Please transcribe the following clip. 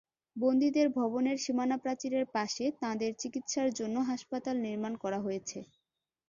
বন্দীদের ভবনের সীমানাপ্রাচীরের পাশে তাঁদের চিকিৎসার জন্য হাসপাতাল নির্মাণ করা হয়েছে।